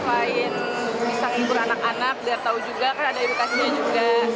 selain bisa ngikur anak anak biar tahu juga kan ada edukasinya juga